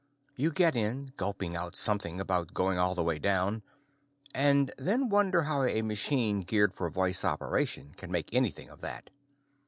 You get in, gulping out something about going all the way down, and then wonder how a machine geared for voice operation can make anything of that.